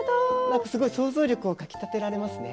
すごい想像力をかきたてられますね。